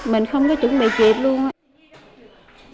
mình không có chuẩn bị chuyện luôn